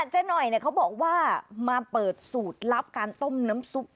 เจ๊หน่อยเขาบอกว่ามาเปิดสูตรลับการต้มน้ำซุป